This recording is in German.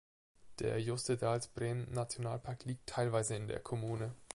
Der Jostedalsbreen Nationalpark liegt teilweise in der Kommune.